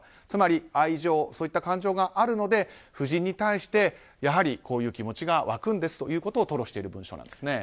つまり、愛情そういった感情があるので夫人に対してこういう気持ちが湧くんですということを吐露している文章です。